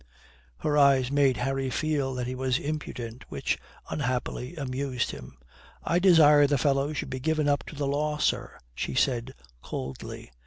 Her eyes made Harry feel that he was impudent, which, unhappily, amused him. "I desire the fellow should be given up to the law, sir," she said coldly.